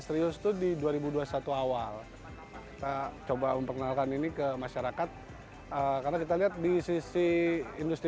serius tuh di dua ribu dua puluh satu awal kita coba memperkenalkan ini ke masyarakat karena kita lihat di sisi industri